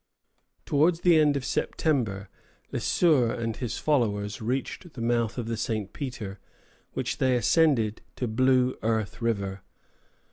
Towards the end of September, Le Sueur and his followers reached the mouth of the St. Peter, which they ascended to Blue Earth River.